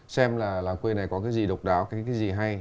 xem là làng quê này có cái gì độc đáo cái gì hay